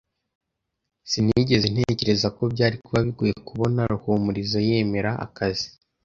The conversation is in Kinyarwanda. Sinigeze ntekereza ko byari kuba bigoye kubona Ruhumuriza yemera akazi.